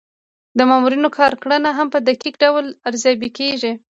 د مامورینو کارکړنه هم په دقیق ډول ارزیابي کیږي.